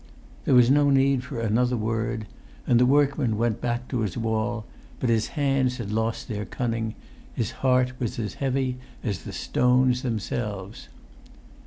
There was no need for another word. And the workman went back to his wall; but his hands had lost their cunning; his heart was as heavy as the stones themselves.